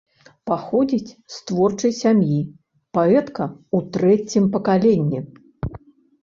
Паходзіць з творчай сям'і, паэтка ў трэцім пакаленні.